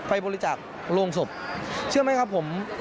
ไปบริจาคโรงศพเชื่อไหมครับผม